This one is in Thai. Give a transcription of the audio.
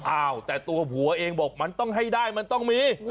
อ้าวแต่ตัวผัวเองบอกมันต้องให้ได้มันต้องมี